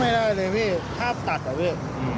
ไม่ออกเลยไม่ได้เลยพี่ทาบตัดอ่ะพี่